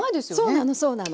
そうなのそうなの。